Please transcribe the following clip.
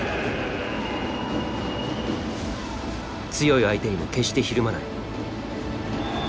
強い相手にも決してひるまない。